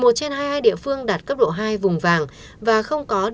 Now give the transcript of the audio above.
một mươi một trên hai mươi hai địa phương đạt cấp độ hai vùng vàng